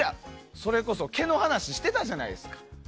それこそ毛の話、してたじゃないですか。